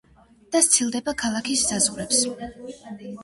და სცილდება ქალაქის საზღვრებს.